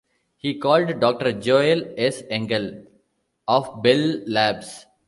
He called Doctor Joel S. Engel of Bell Labs.